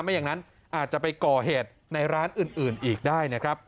ไม่อย่างนั้นอาจจะไปก่อเหตุในร้านอื่นอีกได้นะครับ